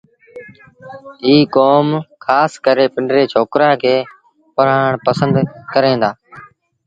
ايٚ ڪوم کآس ڪري پنڊري ڇوڪرآݩ کي پڙهآڻ پسند ڪريݩ دآ